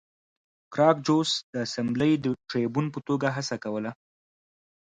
ګراکچوس د اسامبلې د ټربیون په توګه هڅه کوله